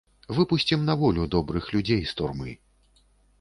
Выпусцім на волю добрых людзей з турмы.